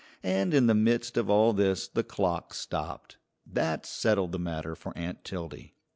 And in the midst of all this the clock stopped. That settled the matter for Aunt Tildy.